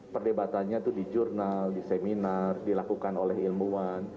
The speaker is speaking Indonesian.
perdebatannya itu di jurnal di seminar dilakukan oleh ilmuwan